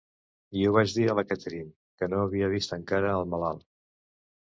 I ho vaig dir a la Catherine, que no havia vist encara el malalt...